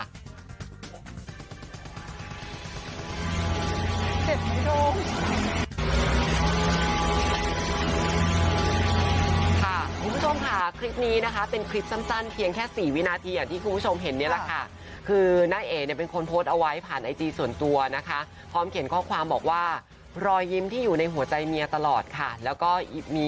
คุณผู้ชมค่ะคลิปนี้นะคะเป็นคลิปสั้นเพียงแค่๔วินาทีอย่างที่คุณผู้ชมเห็นเนี่ยแหละค่ะคือน้าเอ๋เนี่ยเป็นคนโพสต์เอาไว้ผ่านไอจีส่วนตัวนะคะพร้อมเขียนข้อความบอกว่ารอยยิ้มที่อยู่ในหัวใจเมียตลอดค่ะแล้วก็หยิบมี